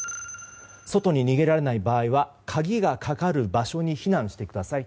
外に逃げられない場合は鍵がかかる場所に避難してください。